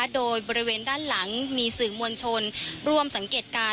โดยบริเวณด้านหลังมีสื่อมวลชนร่วมสังเกตการณ์